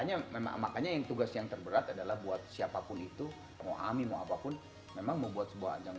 nah makanya yang tugas yang terberat adalah buat siapapun itu mau ami mau apapun memang membuat sebuah ajang penghargaan